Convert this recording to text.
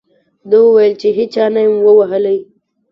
ده وویل چې هېچا نه یم ووهلی.